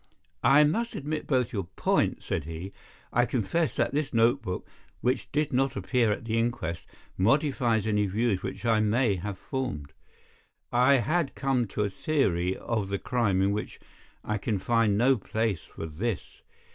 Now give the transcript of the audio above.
"I must admit both your points," said he. "I confess that this notebook, which did not appear at the inquest, modifies any views which I may have formed. I had come to a theory of the crime in which I can find no place for this.